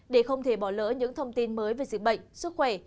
để không thể bỏ lỡ những thông tin mới về dịch bệnh sức khỏe